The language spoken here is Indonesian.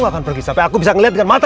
tapi jangan disini disini gak ada